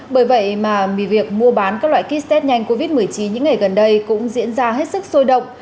bởi vậy mà việc mua bán các loại kit test nhanh covid một mươi chín những ngày gần đây cũng diễn ra hết sức sôi động